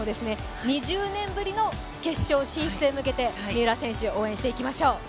２０年ぶりの決勝進出へ向けて三浦選手、応援していきましょう。